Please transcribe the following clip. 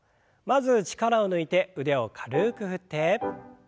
まず力を抜いて腕を軽く振って。